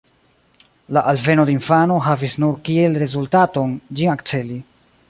La alveno de infano havis nur kiel rezultaton, ĝin akceli.